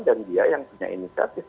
dan dia yang punya inisiatif